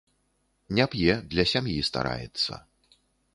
Не п'е, для сям'і стараецца.